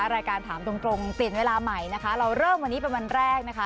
รายการถามตรงตรงเปลี่ยนเวลาใหม่นะคะเราเริ่มวันนี้เป็นวันแรกนะคะ